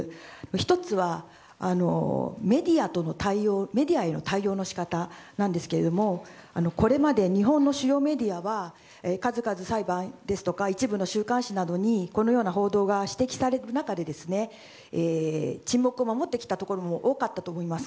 １つはメディアへの対応の仕方なんですけどもこれまで日本の主要メディアは数々、裁判ですとか一部の週刊誌などにこのような報道が指摘される中で沈黙を守ってきたところも多かったと思います。